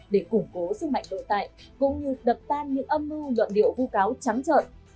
để củng cố sức mạnh nội tại cũng như đập tan những âm mưu luận điệu vu cáo trắng trợn